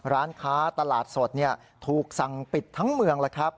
ร้านค้าตลาดสดถูกสั่งปิดทั้งเมืองแล้วครับ